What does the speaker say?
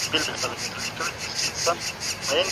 د لارښود کتابچه ښکته کړئ.